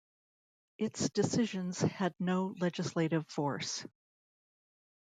Its decisions had no legislative force.